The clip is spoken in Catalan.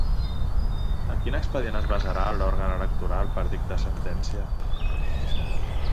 En quin expedient es basarà l'òrgan electoral per dictar la sentència?